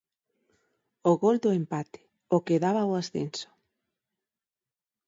O gol do empate, o que daba o ascenso.